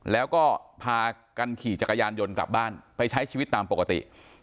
แล้วก็พากันขี่จักรยานยนต์กลับบ้านไปใช้ชีวิตตามปกติ